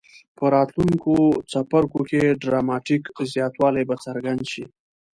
په راتلونکو څپرکو کې ډراماټیک زیاتوالی به څرګند شي.